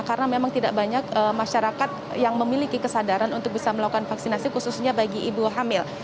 karena memang tidak banyak masyarakat yang memiliki kesadaran untuk bisa melakukan vaksinasi khususnya bagi ibu hamil